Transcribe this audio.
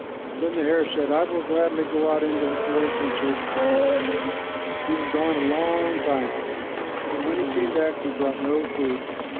Then the hare said, "I will gladly go out into the forest and search for food." He was gone a long time, but when he came back, he brought no food.